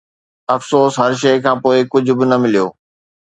افسوس، هر شيء کان پوء، ڪجهه به نه مليو